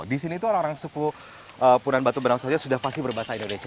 di sini itu orang orang suku punan batu benau saja sudah pasti berbahasa indonesia